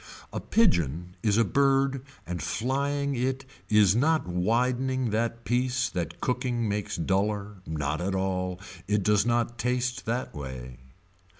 A pigeon is a bird and flying it is not widening the piece that cooking makes duller, not at all, it does not taste that way.